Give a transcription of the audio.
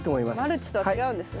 マルチとは違うんですね。